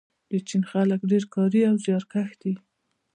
د چین خلک ډیر کاري او زیارکښ دي.